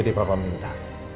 jadi papa minta